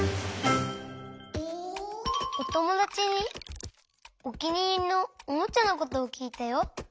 おともだちにおきにいりのおもちゃのことをきいたよ。